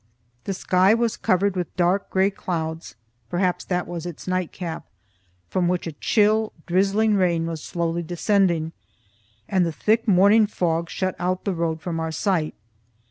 The sky was covered with dark gray clouds (perhaps that was its night cap), from which a chill, drizzling rain was slowly descending, and the thick morning fog shut out the road from our sight.